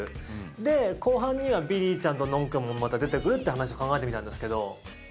で、後半にはびりーくんとのんちゃんもまた出てくるって話考えてみたんですけど。